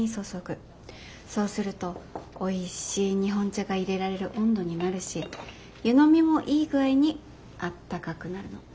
そうするとおいしい日本茶がいれられる温度になるし湯飲みもいい具合にあったかくなるの。